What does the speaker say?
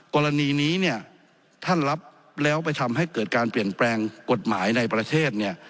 กรณีนี้เนี่ยท่านรับแล้วไปทำให้เกิดการเปลี่ยนแปลงกฎหมายในประเทศเนี่ย